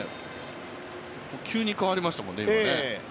急に変わりましたもんね、今ね。